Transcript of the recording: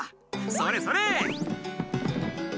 それそれ！